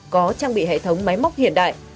có trang bị hệ thống máy móc hiện đại